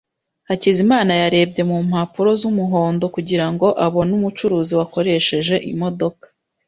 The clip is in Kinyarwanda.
Hakizimana yarebye mu mpapuro z'umuhondo kugira ngo abone umucuruzi wakoresheje imodoka.